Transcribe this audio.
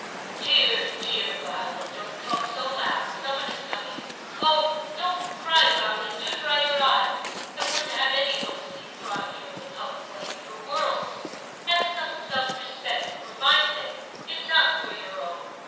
'Dear dear Violet! don't talk so loud; some one is coming. Oh ! don't cry, darling ; do dry your eyes. I wouldn't have any one see you crying here in the public lane for worlds. Have some self respect, for my sake if not for your own.